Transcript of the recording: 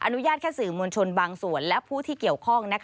อนุญาตแค่สื่อมวลชนบางส่วนและผู้ที่เกี่ยวข้อง